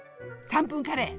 ３分カレー。